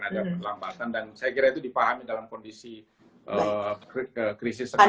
dan saya kira itu dipahami dalam kondisi krisis sekarang